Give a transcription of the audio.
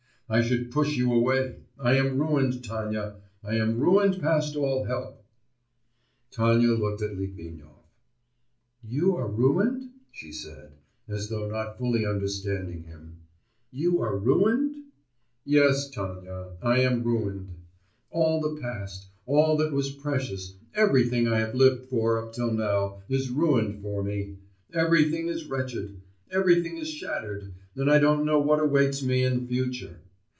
I should push you away, I am ruined, Tanya, I am ruined past all help.' Tatyana looked at Litvinov. 'You are ruined?' she said, as though not fully understanding him. 'You are ruined?' 'Yes, Tanya, I am ruined. All the past, all that was precious, everything I have lived for up till now, is ruined for me; everything is wretched, everything is shattered, and I don't know what awaits me in the future.